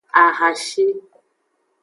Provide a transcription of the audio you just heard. Ahashi.